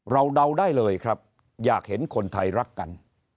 เดาได้เลยครับอยากเห็นคนไทยรักกัน